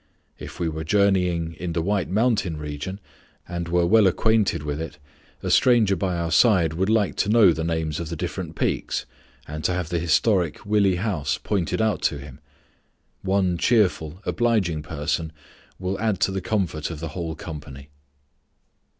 If we were journeying in the White Mountain region and were well acquainted with it, a stranger by our side would like to know the names of the different peaks, and to have the historic Willey House pointed out to him. One cheerful, obliging person will add to the comfort of the whole company.